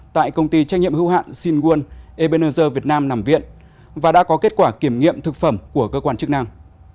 tại công ty trách nhiệm hữu hạn sinh nguồn ebenezer việt nam nằm viện và đã có kết quả kiểm nghiệm thực phẩm của cơ quan chức năng